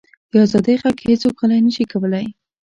د ازادۍ ږغ هیڅوک غلی نه شي کولی.